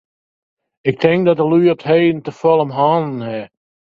Ik tink dat de lju op 't heden te folle om hannen hawwe.